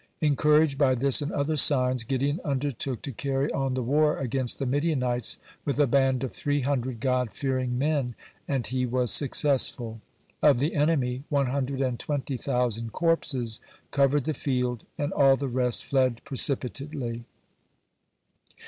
Encouraged by this and other signs, (97) Gideon undertook to carry on the war against the Midianites with a band of three hundred God fearing men, and he was successful. Of the enemy one hundred and twenty thousand corpses covered the field, and all the rest fled precipitately.